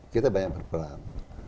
kita banyak berperan